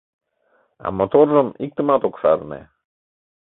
а моторжым иктымат ок шарне.